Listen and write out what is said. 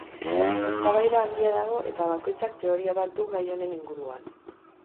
Eztabaida handia dago eta bakoitzak teoria bat du gai honen inguruan.